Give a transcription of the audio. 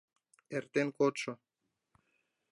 ЭРТЕН КОДШО